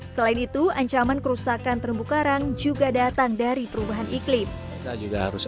selain itu ancaman kerusakan terumbu karang juga datang dari perubahan iklim saya juga harus